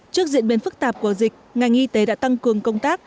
trước diễn biến phức tạp của dịch ngành y tế đã tăng cường công tác